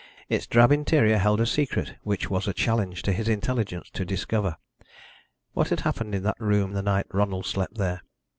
Its drab interior held a secret which was a challenge to his intelligence to discover. What had happened in that room the night Ronald slept there?